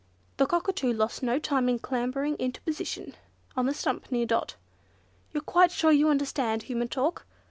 The Cockatoo lost no time in clambering "into position" on the stump near Dot. "You're quite sure you understand human talk?"